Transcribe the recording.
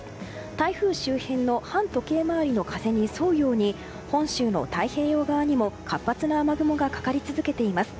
台風周辺の反時計回りの風に沿うように本州の太平洋側にも活発な雨雲がかかり続けています。